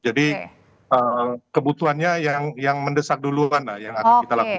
jadi kebutuhannya yang mendesak duluan lah yang harus kita lakukan